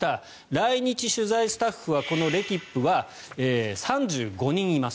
来日取材スタッフはこのレキップは３５人います。